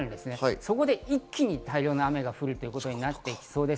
そこで一気に大量の雨が降るということになってきそうです。